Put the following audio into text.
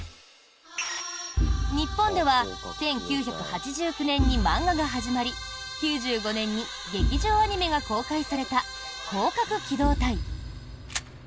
日本では１９８９年に漫画が始まり９５年に劇場アニメが公開された「攻殻機動隊」。